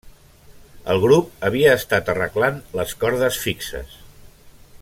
El grup havia estat arreglant les cordes fixes.